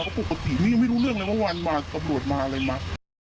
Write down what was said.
ก็ปกติไม่รู้เรื่องเลยว่าวันประบวนมาอะไรมั้ย